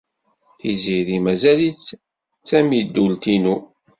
Tiziri mazal-itt d tamidult-inu.